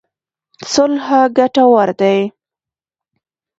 صلح ګټور دی.